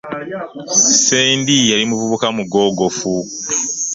Ssendi yali muvubuka mugogofu.